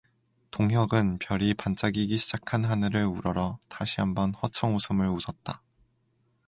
동혁은 별이 반짝이기 시작한 하늘을 우러러 다시 한번 허청웃음을 웃었다.